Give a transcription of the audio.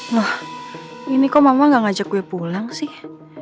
wah ini kok mama gak ngajak gue pulang sih